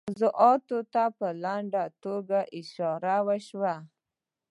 موضوعاتو ته په لنډه توګه اشاره شوه.